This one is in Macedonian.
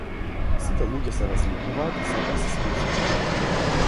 Сите луѓе се разликуваат и затоа се слични.